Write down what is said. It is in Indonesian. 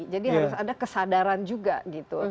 jadi harus ada kesadaran juga gitu